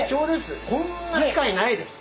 こんな機会ないです。